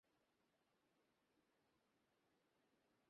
তিনি তাদের সাহায্য কাজে লাগিয়ে গুলাব দাসকে একটি বার্তা পাঠান।